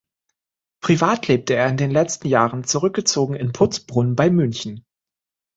Privat lebte er in den letzten Jahren zurückgezogen in Putzbrunn bei München.